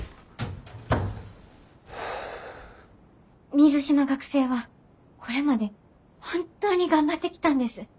水島学生はこれまで本当に頑張ってきたんです。